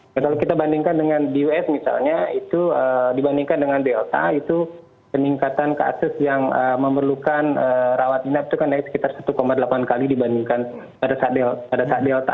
kalau kita bandingkan dengan di us misalnya itu dibandingkan dengan delta itu peningkatan kasus yang memerlukan rawat inap itu kan naik sekitar satu delapan kali dibandingkan pada saat delta